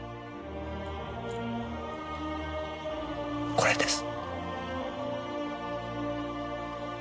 これです。